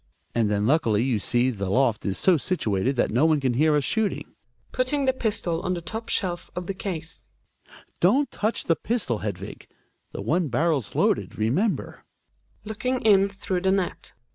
And then luckily you see the loft is so situated that no one can hear us shooting. {Putting the pistol (/fi ike top shelf of the case) Don't touch the pistol, Hedvig ! The one barrel's wloaded, remen>ber. Gregers {looking in through the net).